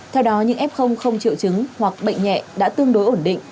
theo đó những f không triệu chứng hoặc bệnh nhẹ đã tương đối ổn định